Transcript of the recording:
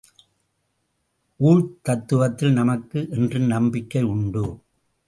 ஊழ்த் தத்துவத்தில் நமக்கு என்றும் நம்பிக்கை உண்டு.